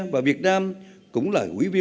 và việt nam cũng là quý vị và quý vị